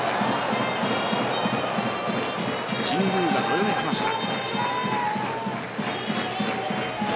神宮がどよめきました。